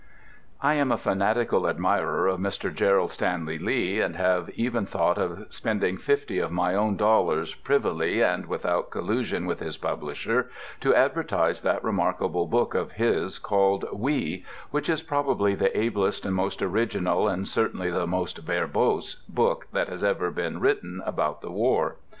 I am a fanatical admirer of Mr. Gerald Stanley Lee, and have even thought of spending fifty of my own dollars, privily and without collusion with his publisher, to advertise that remarkable book of his called "WE" which is probably the ablest and most original, and certainly the most verbose, book that has been written about the war.